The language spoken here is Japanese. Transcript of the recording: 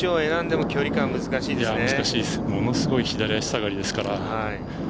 ものすごい左足下がりですから。